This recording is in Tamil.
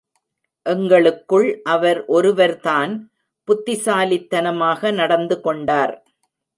எங்களுக்குள் அவர் ஒருவர் தான் புத்திசாலித்தனமாக நடந்து கொண்டார்.